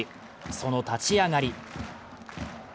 その立ち上がり。